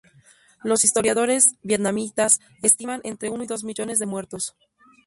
Los historiadores vietnamitas estiman entre uno y dos millones de muertos.